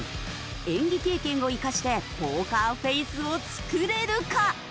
演技経験を生かしてポーカーフェースを作れるか！？